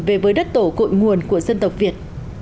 về với đất tổ cội nguồn của dân tộc việt